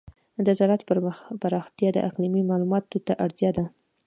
د زراعت پراختیا د اقلیمي معلوماتو ته اړتیا لري.